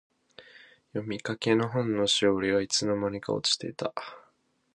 読みかけの本のしおりが、いつの間にか落ちていた。